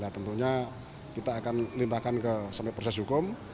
tentunya kita akan limpahkan sampai ke proses hukum